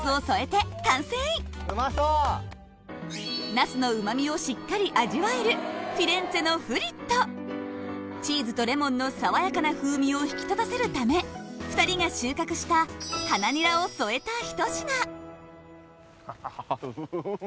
ナスのうまみをしっかり味わえるチーズとレモンの爽やかな風味を引き立たせるため２人が収穫したハナニラを添えたひと品